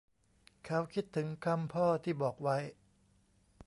เขาคิดถึงคำพ่อที่บอกไว้